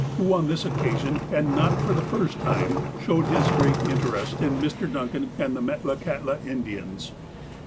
who on this occasion, and not for the first time, showed his great interest in Mr. Duncan and the Metlakahtla Indians.